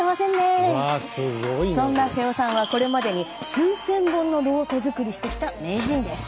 そんな瀬尾さんはこれまでに数千本の櫓を手作りしてきた名人です。